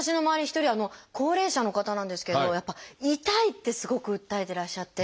１人あの高齢者の方なんですけれどやっぱ「痛い」ってすごく訴えてらっしゃって。